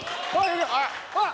おい！